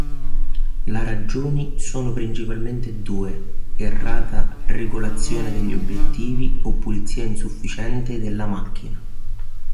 La ragioni sono principalmente due: errata regolazione degli obiettivi o pulizia insufficiente della macchina.